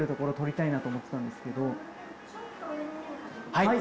はい。